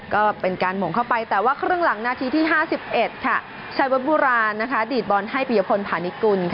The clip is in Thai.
ก็เป็นการหม่งเข้าไปแต่ว่าครึ่งหลังนาทีที่๕๑ชัยวัดโบราณดีดบอลให้ปียพลพาณิตกุล